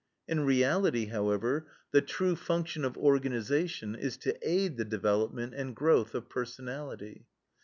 In reality, however, the true function of organization is to aid the development and growth of personality.